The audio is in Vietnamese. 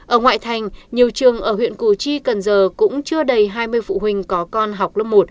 ở ngoại thành nhiều trường ở huyện củ chi cần giờ cũng chưa đầy hai mươi phụ huynh có con học lớp một